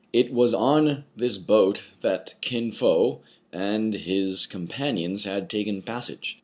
It was on this boat that Kin Fo and his com panions had taken passage.